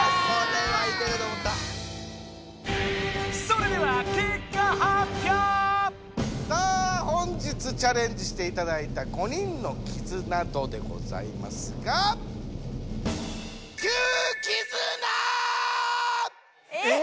それではさあ本日チャレンジしていただいた５人のキズナ度でございますがえ？